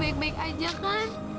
baik baik aja kan